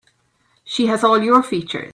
She has all your features.